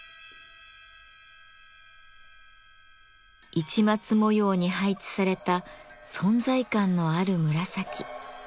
市松模様に配置された存在感のある紫。